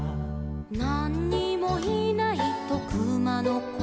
「なんにもいないとくまのこは」